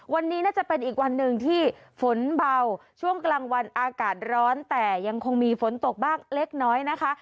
วันนี้น่าจะเป็นอีกวันหนึ่งที่ฝนเบาช่วงกลางวันอากาศร้อนแต่ยังคงมีฝนตกบ้างเล็กน้อยนะคะ